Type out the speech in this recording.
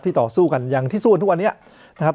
ต่อสู้กันอย่างที่สู้กันทุกวันนี้นะครับ